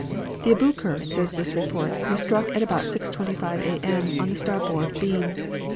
"The Aboukir," says this report, "was struck at about 6.25 A. M. on the starboard beam.